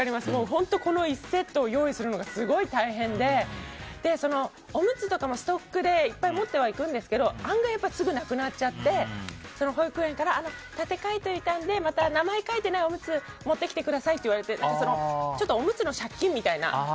本当にこの１セットを用意するのがすごい大変でおむつとかもストックでいっぱい持ってはいくんですけど案外すぐなくなっちゃって保育園から、立て替えといたんで名前書いてないおむつ持ってきてくださいと言われておむつの借金みたいな。